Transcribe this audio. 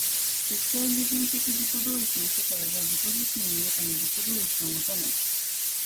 絶対矛盾的自己同一の世界は自己自身の中に自己同一を有たない。